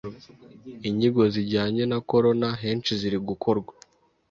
Inyigo zijyanye na corona henshi ziri gukorwa